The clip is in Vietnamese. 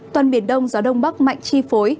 toàn biển đông gió đông bắc mạnh chi phối